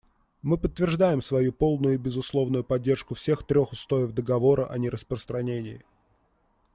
Мы подтверждаем свою полную и безусловную поддержку всех трех устоев Договора о нераспространении.